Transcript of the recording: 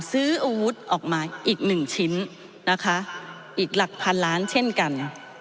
ซื้ออาวุธออกมาอีกหนึ่งชิ้นนะคะอีกหลักพันล้านเช่นกัน